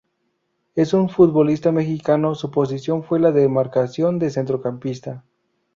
Es un futbolista mexicano su posición fue la demarcación de centrocampista.